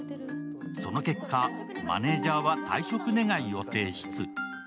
その結果、マネージャーは退職願を提出。